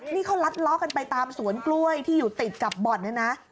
นี่เขาลัดล้อกันไปตามสวนกล้วยที่อยู่ติดกับบ่อนเนี่ยนะ